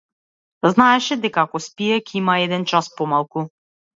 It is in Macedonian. Знаеше дека ако спие, ќе има еден час помалку.